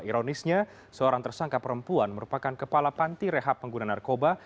ironisnya seorang tersangka perempuan merupakan kepala panti rehab pengguna narkoba